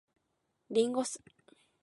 林檎酢